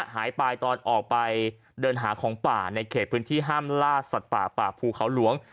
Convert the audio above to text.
หายไปตอนออกไปเดินหาของป่าในเขตพื้นที่ห้ามล่าสัตว์ป่าป่าภูเขาหลวง